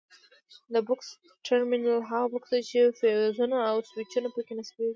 د بکس ټرمینل هغه بکس دی چې فیوزونه او سویچونه پکې نصبیږي.